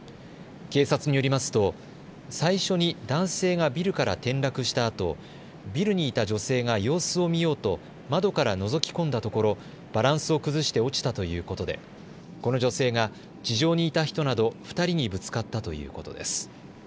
警察によりますと最初に男性がビルから転落したあとビルにいた女性が様子を見ようと窓からのぞき込んだところバランスを崩して落ちたということでこの女性が地上にいた人など２人にぶつかったということです。